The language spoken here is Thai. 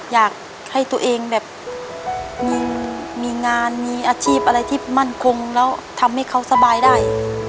อยากให้ตัวเองแบบมีงานมีอาชีพอะไรที่มั่นคงแล้วทำให้เขาสบายได้